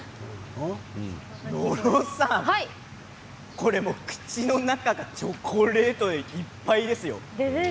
これ、口の中がチョコレートいっぱいですよ。